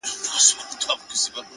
علم د راتلونکي دروازې پرانیزي.!